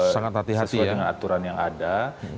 sesuai dengan aturan yang ada